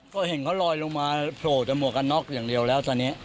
ก็เห็นเขาลอยลงมาโผล่แต่หมวกกันน็อกอย่างเดียวแล้วตอนนี้